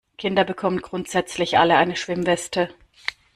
Kinder bekommen grundsätzlich alle eine Schwimmweste.